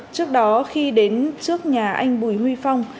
trước đó khi đến trước nhà anh bùi huy phong